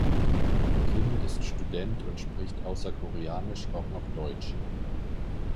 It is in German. Kim ist Student und spricht außer Koreanisch auch noch Deutsch.